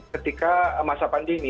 ketika masa pandemi